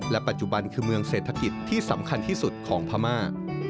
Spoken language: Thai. ปัจจุบันคือเมืองเศรษฐกิจที่สำคัญที่สุดของพม่า